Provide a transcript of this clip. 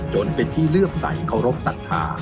จนเป็นที่เลือกใส่เคารพศักดิ์ฐา